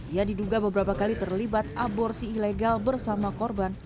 ia diduga beberapa kali terlibat aborsi ilegal bersama korban